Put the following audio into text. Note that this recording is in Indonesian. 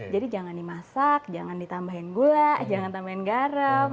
jadi jangan dimasak jangan ditambahin gula jangan ditambahin garam